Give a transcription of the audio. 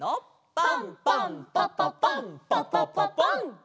パンパンパパパンパパパパン！